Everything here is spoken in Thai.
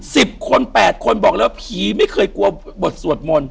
สิบคนแปดคนบอกแล้วผีไม่เคยกลัวบทสวดมนต์